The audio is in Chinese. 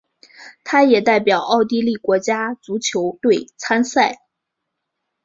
他也代表奥地利国家足球队参赛。